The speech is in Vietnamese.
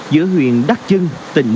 giữa huyện đắc trưng tỉnh